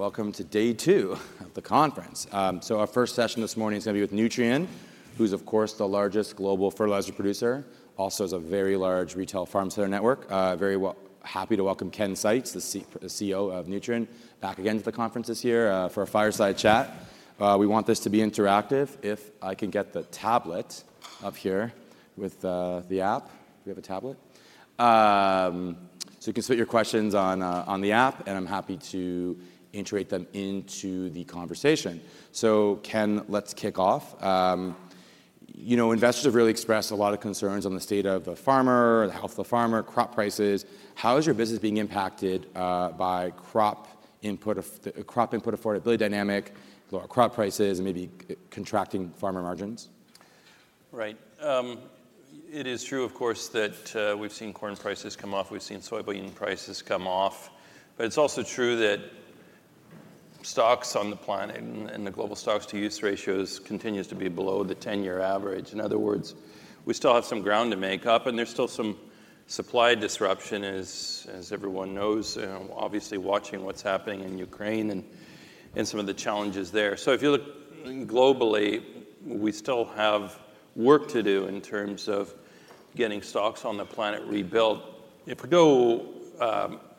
Welcome to day two of the conference. Our first session this morning is going to be with Nutrien, who's, of course, the largest global fertilizer producer, also is a very large retail farm center network. Very happy to welcome Ken Seitz, the CEO of Nutrien, back again to the conference this year for a fireside chat. We want this to be interactive. If I can get the tablet up here with the app, if we have a tablet, so you can submit your questions on the app, and I'm happy to integrate them into the conversation. Ken, let's kick off. Investors have really expressed a lot of concerns on the state of the farmer, the health of the farmer, crop prices. How is your business being impacted by crop input affordability dynamic, lower crop prices, and maybe contracting farmer margins? Right. It is true, of course, that we've seen corn prices come off. We've seen soybean prices come off. But it's also true that stocks on the planet and the global stocks-to-use ratios continue to be below the 10-year average. In other words, we still have some ground to make up, and there's still some supply disruption, as everyone knows, obviously watching what's happening in Ukraine and some of the challenges there. So if you look globally, we still have work to do in terms of getting stocks on the planet rebuilt. If we go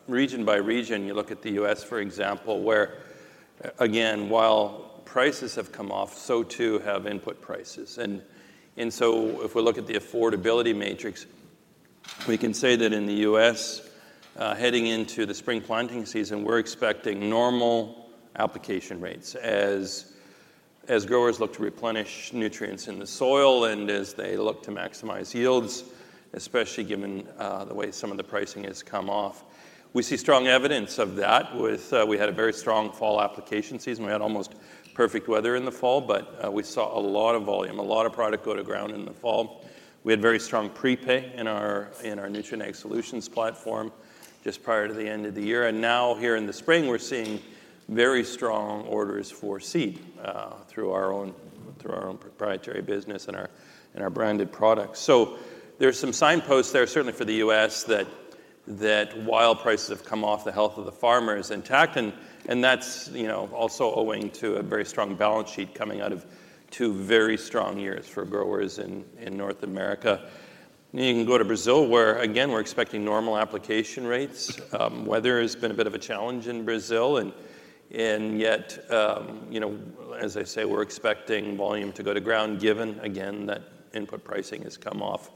region by region, you look at the U.S., for example, where, again, while prices have come off, so too have input prices. So if we look at the affordability matrix, we can say that in the U.S., heading into the spring planting season, we're expecting normal application rates as growers look to replenish nutrients in the soil and as they look to maximize yields, especially given the way some of the pricing has come off. We see strong evidence of that with, we had a very strong fall application season. We had almost perfect weather in the fall, but we saw a lot of volume, a lot of product go to ground in the fall. We had very strong prepay in our Nutrien Ag Solutions platform just prior to the end of the year. Now here in the spring, we're seeing very strong orders for seed through our own proprietary business and our branded products. So there's some signposts there, certainly for the U.S., that while prices have come off, the health of the farm is intact. And that's also owing to a very strong balance sheet coming out of two very strong years for growers in North America. And you can go to Brazil, where, again, we're expecting normal application rates. Weather has been a bit of a challenge in Brazil. And yet, as I say, we're expecting volume to go to ground given, again, that input pricing has come off.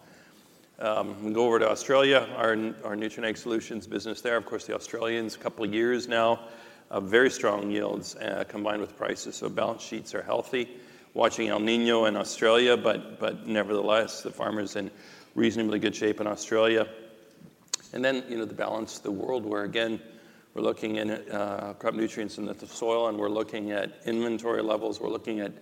We go over to Australia, our Nutrien Ag Solutions business there. Of course, the Australians, a couple of years now, very strong yields combined with prices. So balance sheets are healthy. Watching El Niño in Australia, but nevertheless, the farm is in reasonably good shape in Australia. And then the balance, the world, where, again, we're looking at crop nutrients in the soil, and we're looking at inventory levels. We're looking at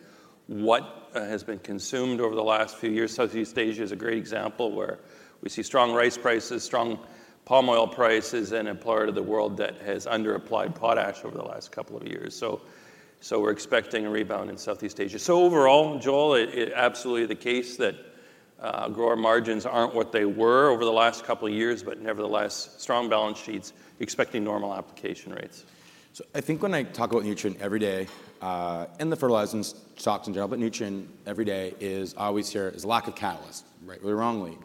what has been consumed over the last few years. Southeast Asia is a great example where we see strong rice prices, strong palm oil prices in a part of the world that has underapplied potash over the last couple of years. So we're expecting a rebound in Southeast Asia. So overall, Joel, it's absolutely the case that grower margins aren't what they were over the last couple of years, but nevertheless, strong balance sheets, expecting normal application rates. So I think when I talk about Nutrien every day and the fertilizer stocks in general, but Nutrien every day is always here as a lack of catalyst, right, really wrongly.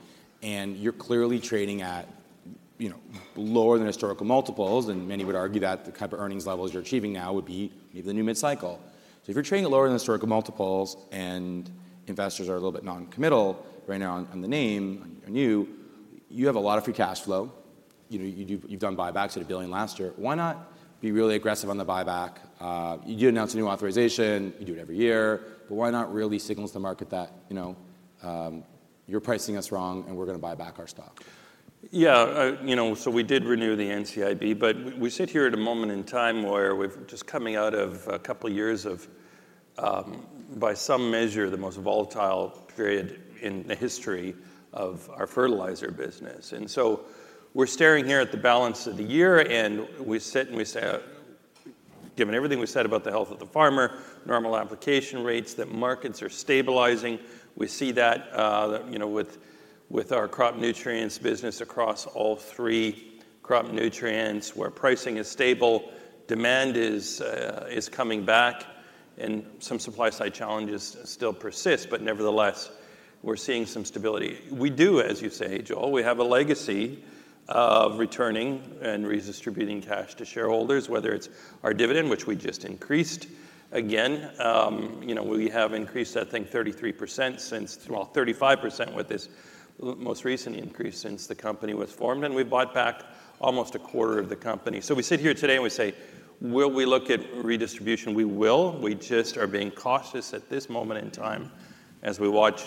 And you're clearly trading at lower than historical multiples. And many would argue that the type of earnings levels you're achieving now would be maybe the new mid-cycle. So if you're trading at lower than historical multiples and investors are a little bit noncommittal right now on the name, on you, you have a lot of free cash flow. You've done buybacks at $1 billion last year. Why not be really aggressive on the buyback? You do announce a new authorization. You do it every year. But why not really signal to the market that you're pricing us wrong, and we're going to buy back our stock? Yeah. So we did renew the NCIB, but we sit here at a moment in time where we're just coming out of a couple of years of, by some measure, the most volatile period in the history of our fertilizer business. And so we're staring here at the balance of the year, and we sit and we say, given everything we said about the health of the farmer, normal application rates, that markets are stabilizing. We see that with our crop nutrients business across all three crop nutrients, where pricing is stable, demand is coming back, and some supply-side challenges still persist. But nevertheless, we're seeing some stability. We do, as you say, Joel, we have a legacy of returning and redistributing cash to shareholders, whether it's our dividend, which we just increased. Again, we have increased that, I think, 33% since, well, 35% with this most recent increase since the company was formed. We bought back almost a quarter of the company. We sit here today, and we say, will we look at redistribution? We will. We just are being cautious at this moment in time as we watch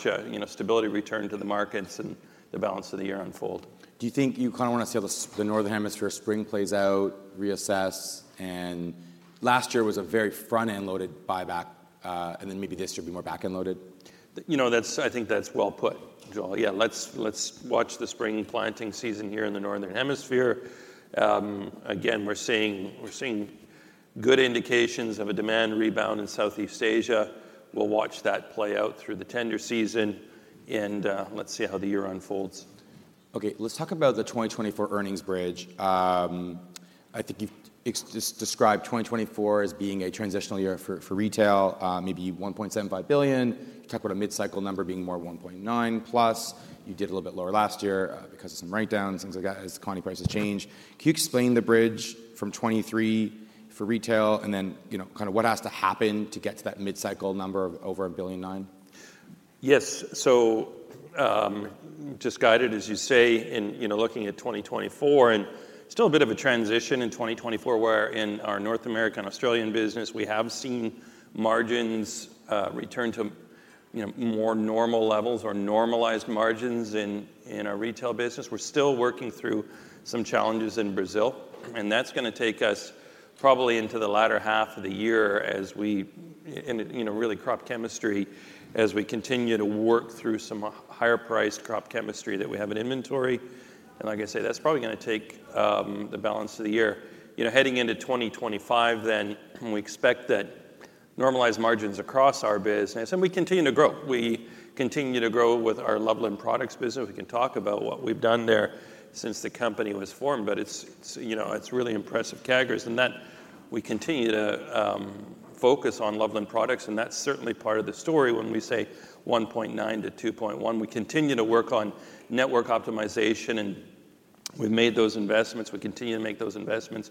stability return to the markets and the balance of the year unfold. Do you think you kind of want to see how the Northern Hemisphere spring plays out, reassess? And last year was a very front-end loaded buyback, and then maybe this year will be more back-end loaded? I think that's well put, Joel. Yeah, let's watch the spring planting season here in the Northern Hemisphere. Again, we're seeing good indications of a demand rebound in Southeast Asia. We'll watch that play out through the tender season, and let's see how the year unfolds. OK, let's talk about the 2024 earnings bridge. I think you've just described 2024 as being a transitional year for retail, maybe $1.75 billion. You talk about a mid-cycle number being more $1.9+. You did a little bit lower last year because of some write-downs, things like that, as corn prices change. Can you explain the bridge from 2023 for retail and then kind of what has to happen to get to that mid-cycle number of over $1.9 billion? Yes. So, just guided, as you say, in looking at 2024, and still a bit of a transition in 2024, where in our North American and Australian business, we have seen margins return to more normal levels or normalized margins in our retail business. We're still working through some challenges in Brazil. And that's going to take us probably into the latter half of the year as we really crop chemistry, as we continue to work through some higher-priced crop chemistry that we have in inventory. And like I say, that's probably going to take the balance of the year. Heading into 2025 then, we expect that normalized margins across our business, and we continue to grow. We continue to grow with our Loveland Products business. We can talk about what we've done there since the company was formed, but it's really impressive categories. That we continue to focus on Loveland Products. And that's certainly part of the story when we say 1.9-2.1. We continue to work on network optimization, and we've made those investments. We continue to make those investments.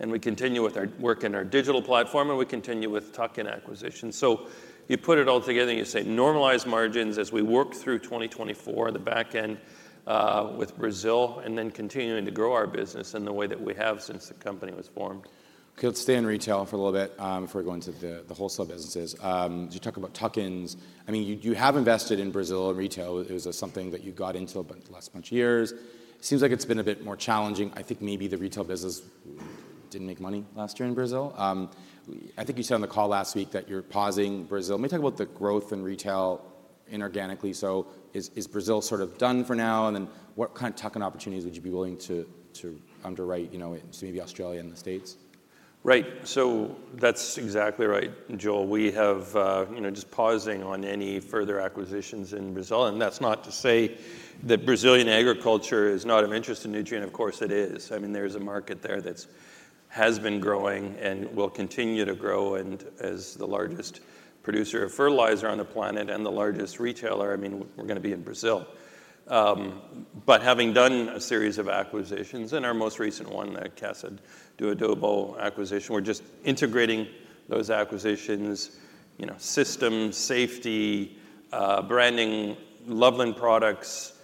And we continue with our work in our digital platform, and we continue with tuck-in acquisitions. So you put it all together, and you say normalized margins as we work through 2024, the back end with Brazil, and then continuing to grow our business in the way that we have since the company was formed. OK, let's stay in retail for a little bit before we go into the wholesale businesses. As you talk about tuck-ins, I mean, you have invested in Brazil and retail. It was something that you got into the last bunch of years. It seems like it's been a bit more challenging. I think maybe the retail business didn't make money last year in Brazil. I think you said on the call last week that you're pausing Brazil. Maybe talk about the growth in retail inorganically. So is Brazil sort of done for now? And then what kind of tuck-in opportunities would you be willing to underwrite to maybe Australia and the States? Right. So that's exactly right, Joel. We have just pausing on any further acquisitions in Brazil. And that's not to say that Brazilian agriculture is not of interest to Nutrien. Of course, it is. I mean, there is a market there that has been growing and will continue to grow. And as the largest producer of fertilizer on the planet and the largest retailer, I mean, we're going to be in Brazil. But having done a series of acquisitions, and our most recent one, the Casa do Adubo acquisition, we're just integrating those acquisitions, systems, safety, branding, Loveland Products,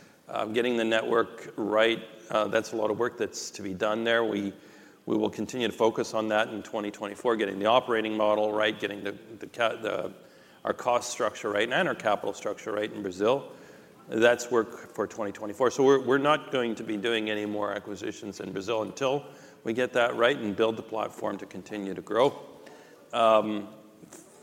getting the network right. That's a lot of work that's to be done there. We will continue to focus on that in 2024, getting the operating model right, getting our cost structure right, and our capital structure right in Brazil. That's work for 2024. So we're not going to be doing any more acquisitions in Brazil until we get that right and build the platform to continue to grow.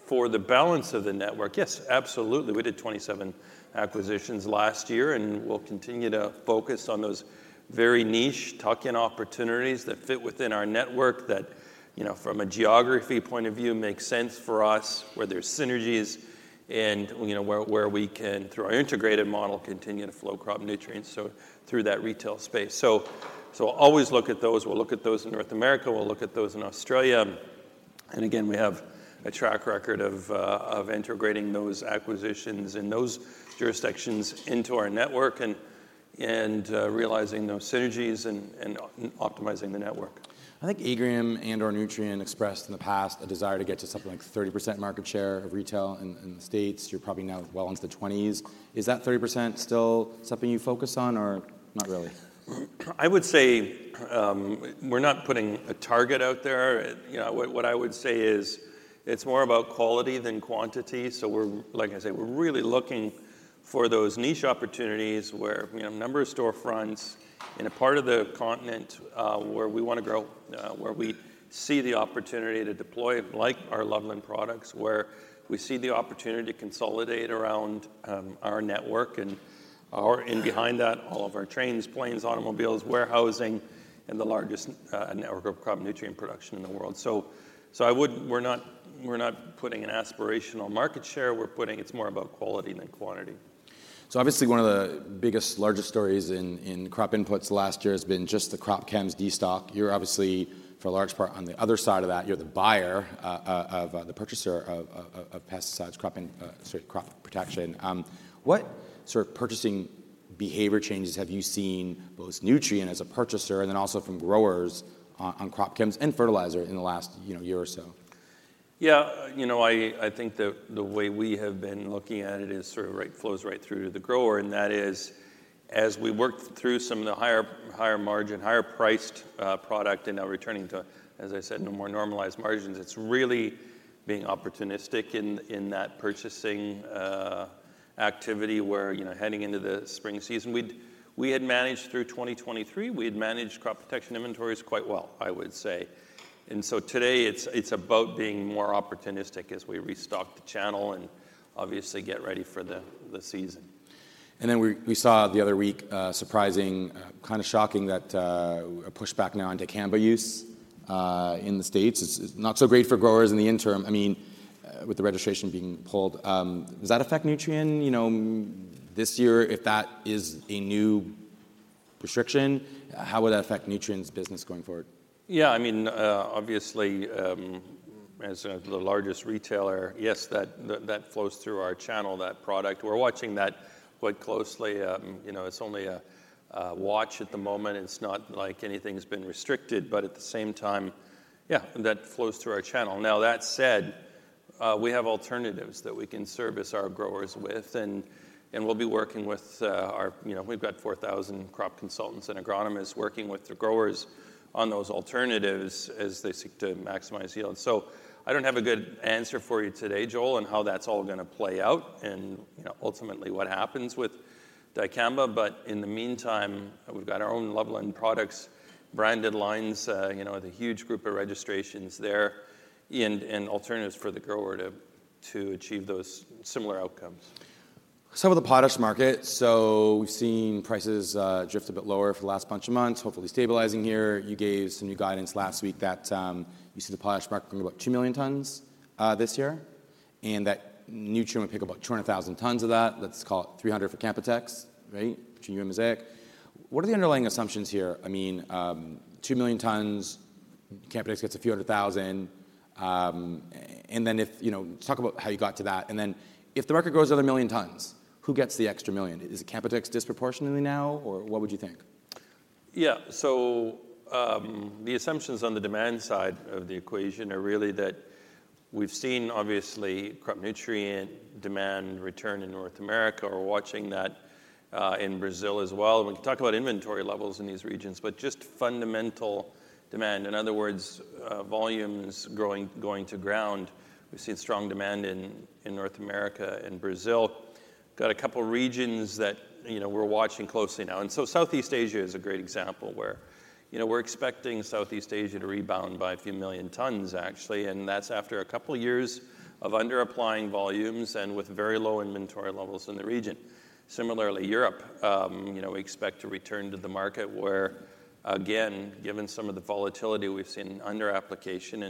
For the balance of the network, yes, absolutely. We did 27 acquisitions last year, and we'll continue to focus on those very niche tuck-in opportunities that fit within our network, that from a geography point of view make sense for us, where there's synergies, and where we can, through our integrated model, continue to flow crop nutrients through that retail space. So we'll always look at those. We'll look at those in North America. We'll look at those in Australia. And again, we have a track record of integrating those acquisitions in those jurisdictions into our network and realizing those synergies and optimizing the network. I think Agrium and/or Nutrien expressed in the past a desire to get to something like 30% market share of retail in the States. You're probably now well into the 20s. Is that 30% still something you focus on, or not really? I would say we're not putting a target out there. What I would say is it's more about quality than quantity. So like I say, we're really looking for those niche opportunities where a number of storefronts in a part of the continent where we want to grow, where we see the opportunity to deploy, like our Loveland Products, where we see the opportunity to consolidate around our network. And behind that, all of our trains, planes, automobiles, warehousing, and the largest network of crop nutrient production in the world. So we're not putting an aspirational market share. It's more about quality than quantity. So obviously, one of the biggest, largest stories in crop inputs last year has been just the crop chems destock. You're obviously, for a large part, on the other side of that. You're the buyer, the purchaser of pesticides, crop protection. What sort of purchasing behavior changes have you seen, both Nutrien as a purchaser and then also from growers on crop chems and fertilizer in the last year or so? Yeah. I think the way we have been looking at it sort of flows right through to the grower. That is, as we worked through some of the higher-margin, higher-priced product and now returning to, as I said, now more normalized margins, it's really being opportunistic in that purchasing activity, heading into the spring season. We had managed through 2023. We had managed crop protection inventories quite well, I would say. So today, it's about being more opportunistic as we restock the channel and obviously get ready for the season. And then we saw the other week, surprisingly, kind of shockingly, that a pushback now onto dicamba use in the States. It's not so great for growers in the interim. I mean, with the registration being pulled, does that affect Nutrien this year? If that is a new restriction, how would that affect Nutrien's business going forward? Yeah. I mean, obviously, as the largest retailer, yes, that flows through our channel, that product. We're watching that quite closely. It's only a watch at the moment. It's not like anything's been restricted. But at the same time, yeah, that flows through our channel. Now, that said, we have alternatives that we can service our growers with. And we'll be working with our we've got 4,000 crop consultants and agronomists working with the growers on those alternatives as they seek to maximize yield. So I don't have a good answer for you today, Joel, on how that's all going to play out and ultimately what happens with dicamba. But in the meantime, we've got our own Loveland Products branded lines with a huge group of registrations there and alternatives for the grower to achieve those similar outcomes. Some of the potash market, so we've seen prices drift a bit lower for the last bunch of months, hopefully stabilizing here. You gave some new guidance last week that you see the potash market bring about 2 million tons this year, and that Nutrien would pick about 200,000 tons of that. Let's call it 300 for Canpotex, right, between you and Mosaic. What are the underlying assumptions here? I mean, 2 million tons, Canpotex gets a few hundred thousand. And then talk about how you got to that. And then if the market grows another million tons, who gets the extra million? Is it Canpotex disproportionately now, or what would you think? Yeah. So the assumptions on the demand side of the equation are really that we've seen, obviously, crop nutrient demand return in North America. We're watching that in Brazil as well. And we can talk about inventory levels in these regions, but just fundamental demand. In other words, volumes going to ground. We've seen strong demand in North America and Brazil. Got a couple of regions that we're watching closely now. And so Southeast Asia is a great example where we're expecting Southeast Asia to rebound by a few million tons, actually. And that's after a couple of years of underapplying volumes and with very low inventory levels in the region. Similarly, Europe, we expect to return to the market where, again, given some of the volatility we've seen under application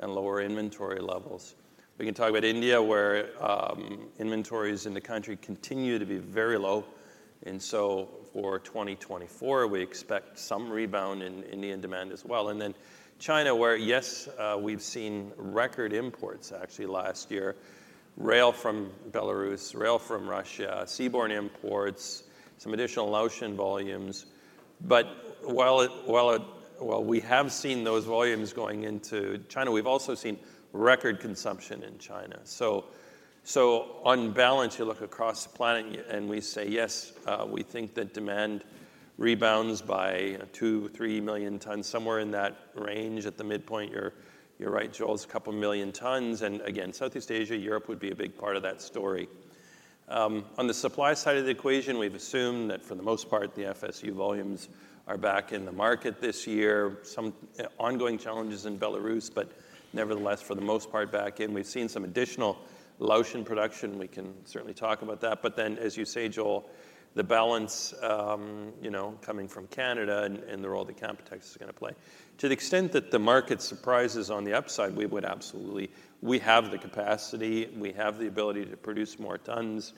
and lower inventory levels, we can talk about India where inventories in the country continue to be very low. And so for 2024, we expect some rebound in Indian demand as well. And then China, where yes, we've seen record imports, actually, last year, rail from Belarus, rail from Russia, seaborne imports, some additional Laotian volumes. But while we have seen those volumes going into China, we've also seen record consumption in China. So on balance, you look across the planet, and we say, yes, we think that demand rebounds by 2-3 million tons, somewhere in that range. At the midpoint, you're right, Joel, it's a couple of million tons. And again, Southeast Asia, Europe would be a big part of that story. On the supply side of the equation, we've assumed that for the most part, the FSU volumes are back in the market this year, some ongoing challenges in Belarus, but nevertheless, for the most part, back in. We've seen some additional Laotian production. We can certainly talk about that. But then, as you say, Joel, the balance coming from Canada and the role that Canpotex is going to play. To the extent that the market surprises on the upside, we would absolutely. We have the capacity. We have the ability to produce more tons.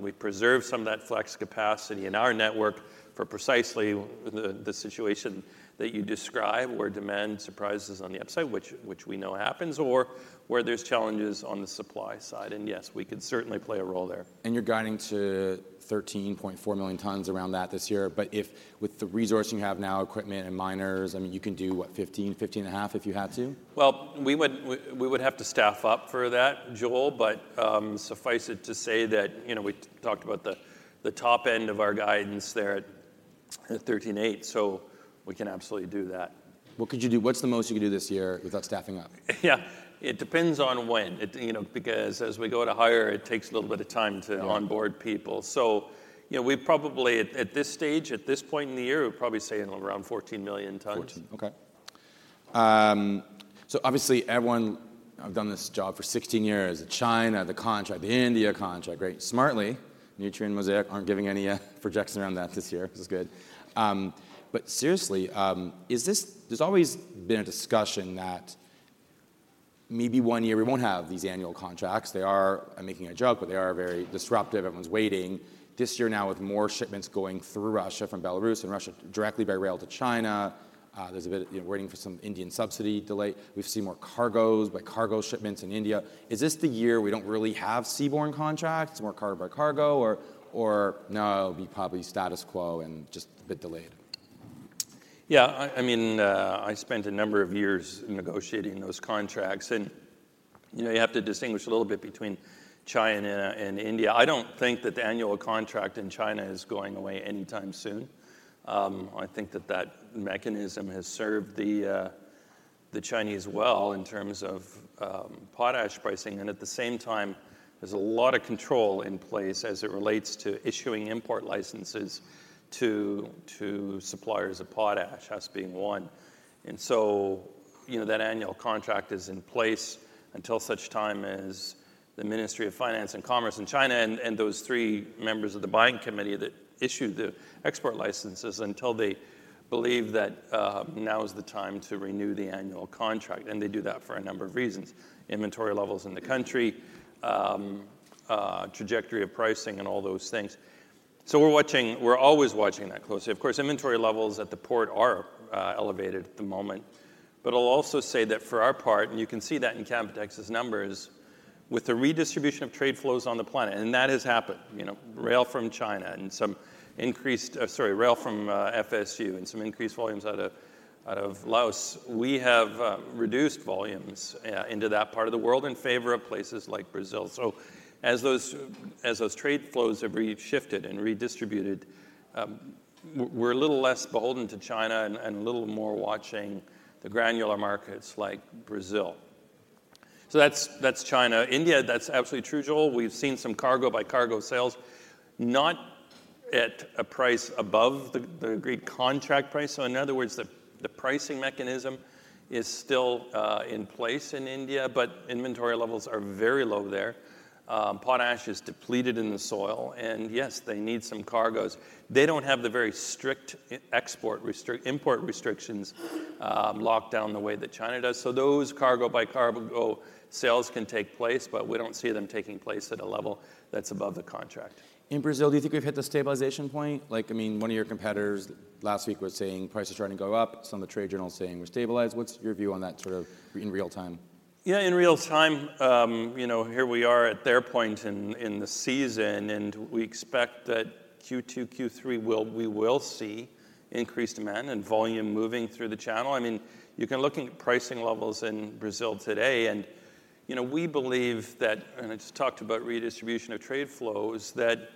We preserve some of that flex capacity in our network for precisely the situation that you describe, where demand surprises on the upside, which we know happens, or where there's challenges on the supply side. And yes, we could certainly play a role there. You're guiding to 13.4 million tons around that this year. But with the resources you have now, equipment and miners, I mean, you can do, what, 15, 15.5 if you had to? Well, we would have to staff up for that, Joel. Suffice it to say that we talked about the top end of our guidance there at $13.8. We can absolutely do that. What could you do? What's the most you could do this year without staffing up? Yeah. It depends on when, because as we go to hire, it takes a little bit of time to onboard people. So we probably, at this stage, at this point in the year, we'd probably say around 14 million tons. OK. So obviously, everyone, I've done this job for 16 years at China, the contract, the India contract, right? Smartly, Nutrien and Mosaic aren't giving any projections around that this year. This is good. But seriously, there's always been a discussion that maybe one year we won't have these annual contracts. They are. I'm making a joke, but they are very disruptive. Everyone's waiting. This year now, with more shipments going through Russia from Belarus and Russia directly by rail to China, there's a bit waiting for some Indian subsidy delay. We've seen more cargoes by cargo shipments in India. Is this the year we don't really have seaborne contracts, more cargo by cargo, or no, it'll be probably status quo and just a bit delayed? Yeah. I mean, I spent a number of years negotiating those contracts. You have to distinguish a little bit between China and India. I don't think that the annual contract in China is going away anytime soon. I think that that mechanism has served the Chinese well in terms of potash pricing. At the same time, there's a lot of control in place as it relates to issuing import licenses to suppliers of potash, that's being one. So that annual contract is in place until such time as the Ministry of Finance and Commerce in China and those three members of the buying committee that issue the export licenses until they believe that now is the time to renew the annual contract. They do that for a number of reasons: inventory levels in the country, trajectory of pricing, and all those things. So we're always watching that closely. Of course, inventory levels at the port are elevated at the moment. But I'll also say that for our part, and you can see that in Canpotex's numbers, with the redistribution of trade flows on the planet, and that has happened, rail from China and some increased sorry, rail from FSU and some increased volumes out of Laos, we have reduced volumes into that part of the world in favor of places like Brazil. So as those trade flows have shifted and redistributed, we're a little less beholden to China and a little more watching the granular markets like Brazil. So that's China. India, that's absolutely true, Joel. We've seen some cargo by cargo sales, not at a price above the agreed contract price. So in other words, the pricing mechanism is still in place in India. But inventory levels are very low there. Potash is depleted in the soil. Yes, they need some cargoes. They don't have the very strict import restrictions locked down the way that China does. So those cargo by cargo sales can take place, but we don't see them taking place at a level that's above the contract. In Brazil, do you think we've hit the stabilization point? I mean, one of your competitors last week was saying prices are starting to go up. Some of the trade journals are saying we're stabilized. What's your view on that sort of in real time? Yeah. In real time, here we are at their point in the season. We expect that Q2, Q3, we will see increased demand and volume moving through the channel. I mean, you can look at pricing levels in Brazil today. We believe that and I just talked about redistribution of trade flows that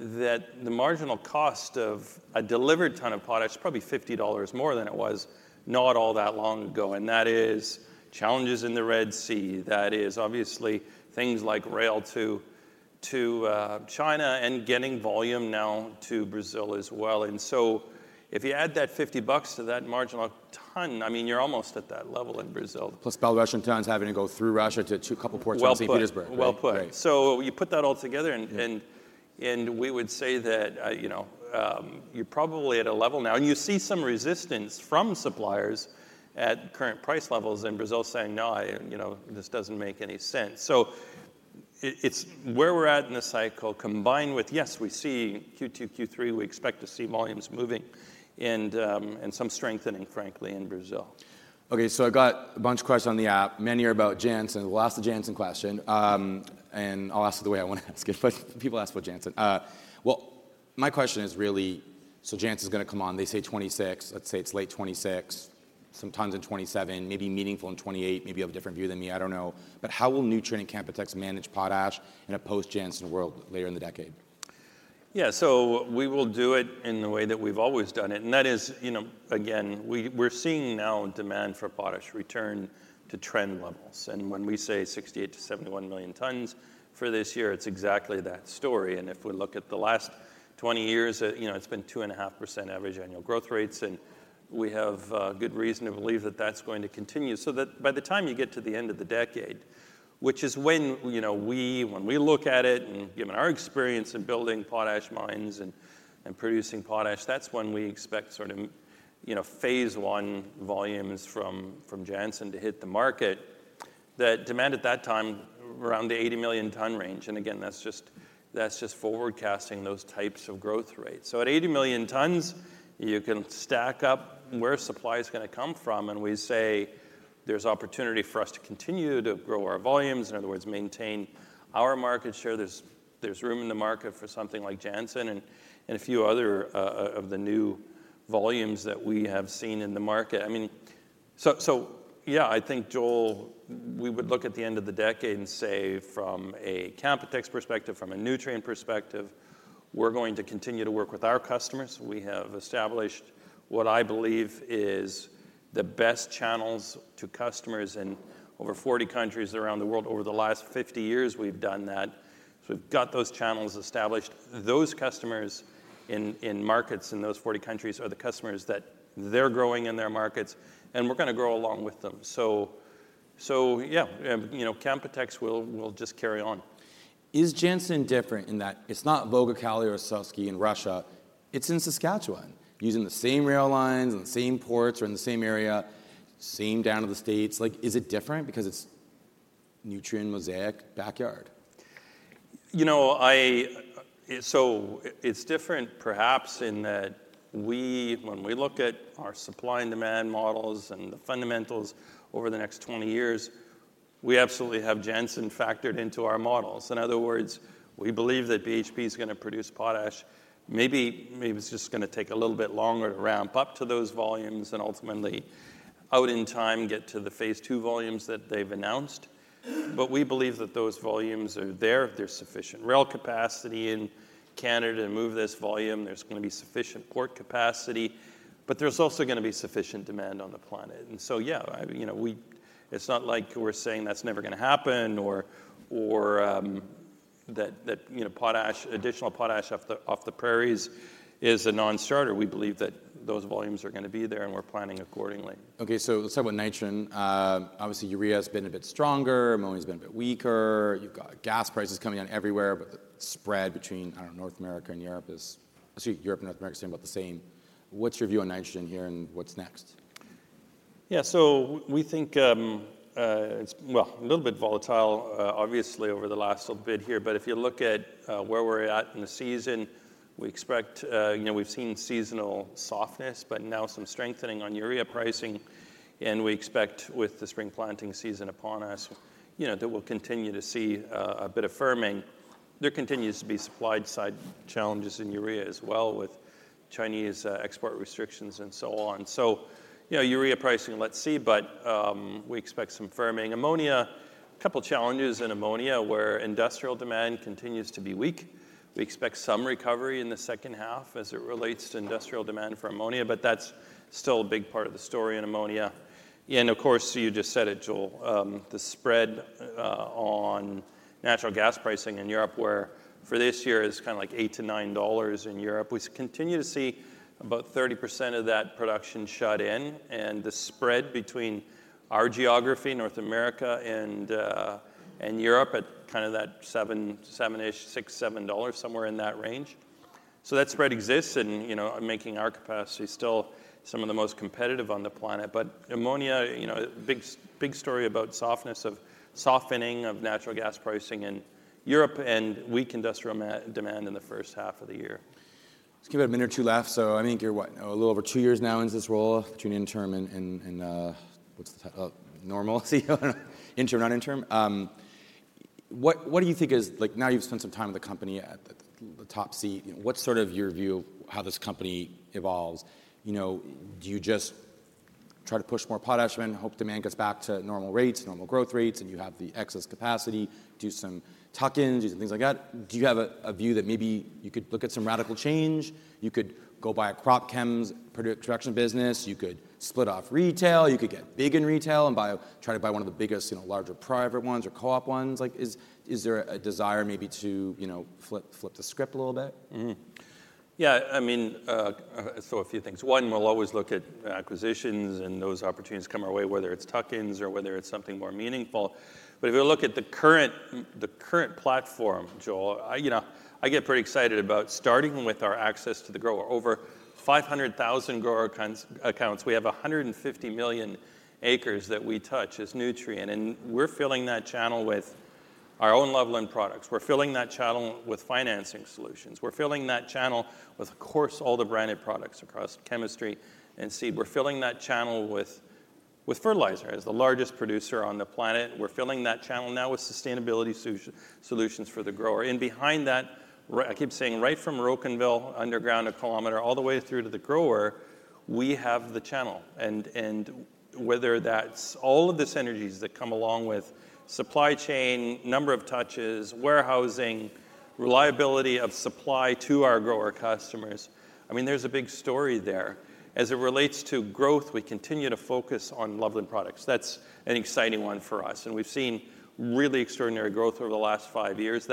the marginal cost of a delivered ton of potash is probably $50 more than it was not all that long ago. That is challenges in the Red Sea. That is obviously things like rail to China and getting volume now to Brazil as well. So if you add that $50 to that marginal ton, I mean, you're almost at that level in Brazil. Plus Belarusian tons having to go through Russia to a couple of ports in St. Petersburg. Well put. So you put that all together, and we would say that you're probably at a level now. And you see some resistance from suppliers at current price levels in Brazil saying, no, this doesn't make any sense. So it's where we're at in the cycle combined with, yes, we see Q2, Q3, we expect to see volumes moving and some strengthening, frankly, in Brazil. OK. So I've got a bunch of questions on the app. Many are about Jansen. The last of the Jansen question and I'll ask it the way I want to ask it. But people ask about Jansen. Well, my question is really so Jansen is going to come on. They say 2026. Let's say it's late 2026, some tons in 2027, maybe meaningful in 2028. Maybe you have a different view than me. I don't know. But how will Nutrien and Canpotex manage potash in a post-Jansen world later in the decade? Yeah. So we will do it in the way that we've always done it. And that is, again, we're seeing now demand for potash return to trend levels. And when we say 68-71 million tons for this year, it's exactly that story. And if we look at the last 20 years, it's been 2.5% average annual growth rates. And we have good reason to believe that that's going to continue. So by the time you get to the end of the decade, which is when we look at it and given our experience in building potash mines and producing potash, that's when we expect sort of phase one volumes from Jansen to hit the market, that demand at that time around the 80 million ton range. And again, that's just forecasting those types of growth rates. So at 80 million tons, you can stack up where supply is going to come from. And we say there's opportunity for us to continue to grow our volumes. In other words, maintain our market share. There's room in the market for something like Jansen and a few other of the new volumes that we have seen in the market. I mean, so yeah, I think, Joel, we would look at the end of the decade and say from a Canpotex perspective, from a Nutrien perspective, we're going to continue to work with our customers. We have established what I believe is the best channels to customers in over 40 countries around the world. Over the last 50 years, we've done that. So we've got those channels established. Those customers in markets in those 40 countries are the customers that they're growing in their markets. We're going to grow along with them. So yeah, Canpotex will just carry on. Is Jansen different in that it's not Uralkali or Belaruskali in Russia? It's in Saskatchewan using the same rail lines and the same ports or in the same area, same down to the States. Is it different because it's Nutrien and Mosaic backyard? You know. So it's different, perhaps, in that when we look at our supply and demand models and the fundamentals over the next 20 years, we absolutely have Jansen factored into our models. In other words, we believe that BHP is going to produce potash. Maybe it's just going to take a little bit longer to ramp up to those volumes and ultimately, out in time, get to the phase two volumes that they've announced. But we believe that those volumes are there if there's sufficient rail capacity in Canada to move this volume. There's going to be sufficient port capacity. But there's also going to be sufficient demand on the planet. And so yeah, it's not like we're saying that's never going to happen or that additional potash off the prairies is a non-starter. We believe that those volumes are going to be there, and we're planning accordingly. OK. So let's talk about Nitrogen. Obviously, urea has been a bit stronger. Ammonia has been a bit weaker. You've got gas prices coming in everywhere. But the spread between North America and Europe is actually, Europe and North America seem about the same. What's your view on Nitrogen here, and what's next? Yeah. So we think it's, well, a little bit volatile, obviously, over the last little bit here. But if you look at where we're at in the season, we expect we've seen seasonal softness, but now some strengthening on urea pricing. And we expect, with the spring planting season upon us, that we'll continue to see a bit of firming. There continues to be supply-side challenges in urea as well with Chinese export restrictions and so on. So urea pricing, let's see. But we expect some firming. Ammonia, a couple of challenges in ammonia where industrial demand continues to be weak. We expect some recovery in the second half as it relates to industrial demand for ammonia. But that's still a big part of the story in ammonia. Of course, you just said it, Joel, the spread on natural gas pricing in Europe, where for this year it's kind of like $8-$9 in Europe. We continue to see about 30% of that production shut in. The spread between our geography, North America, and Europe at kind of that $7, $6, $7, somewhere in that range. That spread exists, and making our capacity still some of the most competitive on the planet. But ammonia, big story about softness of softening of natural gas pricing in Europe and weak industrial demand in the first half of the year. Let's give it a minute or two left. So I think you're, what, a little over two years now in this role, between interim and what's the title? Normal CEO, interim, not interim. What do you think is now you've spent some time with the company at the top seat. What's sort of your view of how this company evolves? Do you just try to push more potash and hope demand gets back to normal rates, normal growth rates, and you have the excess capacity, do some tuck-ins, do some things like that? Do you have a view that maybe you could look at some radical change? You could go buy a crop chems production business. You could split off retail. You could get big in retail and try to buy one of the biggest, larger private ones or co-op ones. Is there a desire maybe to flip the script a little bit? Yeah. I mean, so a few things. One, we'll always look at acquisitions, and those opportunities come our way, whether it's tuck-ins or whether it's something more meaningful. But if you look at the current platform, Joel, I get pretty excited about starting with our access to the grower. Over 500,000 grower accounts. We have 150 million acres that we touch as Nutrien. And we're filling that channel with our own Loveland Products. We're filling that channel with financing solutions. We're filling that channel with, of course, all the branded products across chemistry and seed. We're filling that channel with fertilizer as the largest producer on the planet. We're filling that channel now with sustainability solutions for the grower. And behind that, I keep saying, right from Rocanville, underground a kilometer, all the way through to the grower, we have the channel. Whether that's all of this energies that come along with supply chain, number of touches, warehousing, reliability of supply to our grower customers, I mean, there's a big story there. As it relates to growth, we continue to focus on Loveland Products. That's an exciting one for us. We've seen really extraordinary growth over the last five years.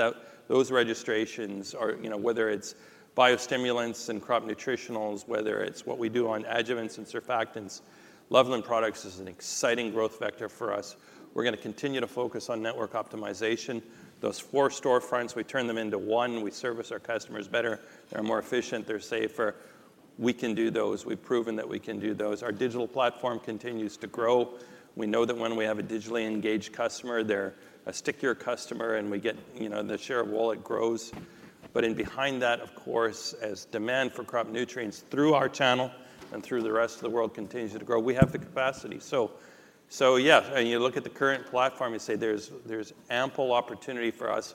Those registrations, whether it's biostimulants and crop nutritionals, whether it's what we do on adjuvants and surfactants, Loveland Products is an exciting growth vector for us. We're going to continue to focus on network optimization. Those four storefronts, we turn them into one. We service our customers better. They're more efficient. They're safer. We can do those. We've proven that we can do those. Our digital platform continues to grow. We know that when we have a digitally engaged customer, they're a stickier customer. The share of wallet grows. But behind that, of course, as demand for crop nutrients through our channel and through the rest of the world continues to grow, we have the capacity. So yeah, you look at the current platform, you say there's ample opportunity for us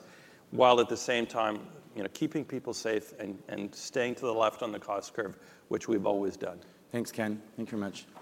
while at the same time keeping people safe and staying to the left on the cost curve, which we've always done. Thanks, Ken. Thank you very much.